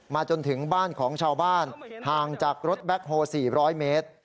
จนถึงบ้านของชาวบ้านห่างจากรถแบ็คโฮล๔๐๐เมตร